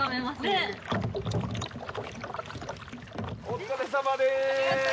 お疲れさまでーす！